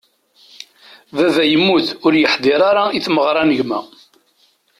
Baba yemmut ur yeḥdiṛ i tmerɣra n gma.